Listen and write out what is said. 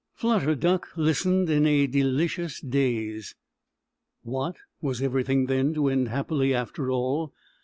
Flutter Duck listened in a delicious daze. What! Was everything then to end happily after all?